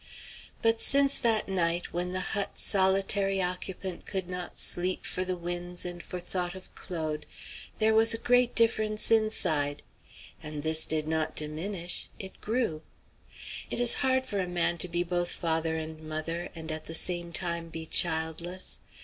But since that night when the hut's solitary occupant could not sleep for the winds and for thought of Claude, there was a great difference inside. And this did not diminish; it grew. It is hard for a man to be both father and mother, and at the same time be childless.